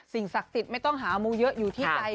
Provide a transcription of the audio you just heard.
ศักดิ์สิทธิ์ไม่ต้องหามูเยอะอยู่ที่ใจ